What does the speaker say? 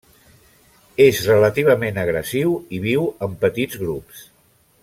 És relativament agressiu i viu en petits grups.